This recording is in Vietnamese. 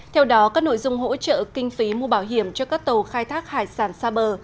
theo đó các nội dung hỗ trợ kinh phí mua bảo hiểm cho các tàu khai thác hải sản xa bờ